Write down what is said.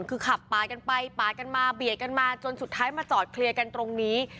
คือขับปาดกันไปปาดกันมาเบียดกันมาจนสุดท้ายมาจอดเคลียร์กันตรงนี้